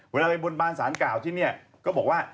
เวลาไปบนบานสารกล่าวที่เนี่ยก็บอกว่า